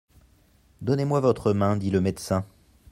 Donnez-moi votre main, dit le médecin.